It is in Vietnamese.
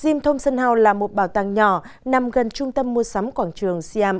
jim thomson house là một bảo tàng nhỏ nằm gần trung tâm mua sắm quảng trường siam